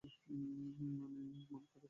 মানে, মনকাডা পরিবারের?